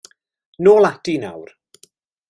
Nôl ati nawr.